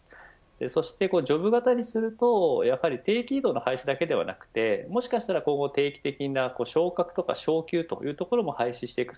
ジョブ型にすると定期異動の廃止だけではなくもしかしたら定期的な昇格や昇給というところも廃止していく。